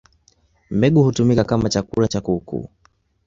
Mbegu hutumika kama chakula cha kuku.